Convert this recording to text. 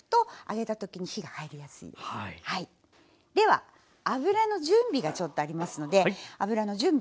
では油の準備がちょっとありますので油の準備していきましょう。